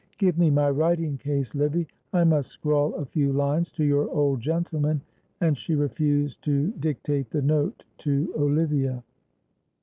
Give me my writing case, Livy. I must scrawl a few lines to your old gentleman," and she refused to dictate the note to Olivia.